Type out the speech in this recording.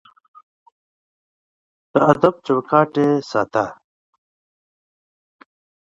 د ادب چوکاټ يې ساته.